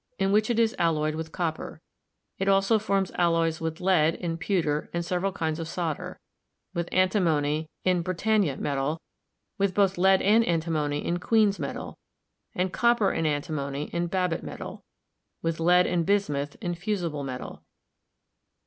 in which it is al loyed with copper ; it also forms alloys with lead in pewter and several kinds of solder; with antimony in Britannia metal; with both lead and antimony in Queen's metal, and copper and antimony in Babbitt metal ; with lead and bis muth in fusible metal.